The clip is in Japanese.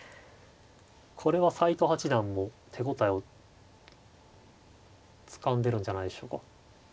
これは斎藤八段も手応えをつかんでるんじゃないでしょうか。